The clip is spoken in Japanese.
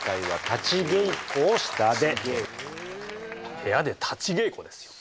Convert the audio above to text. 部屋で立ち稽古ですよ。